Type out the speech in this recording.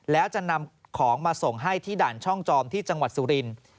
แล้วจะนำของมาส่งให้ที่ด่านช่องจอมที่จังหวัดสุรินทร์